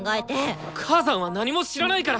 母さんは何も知らないから！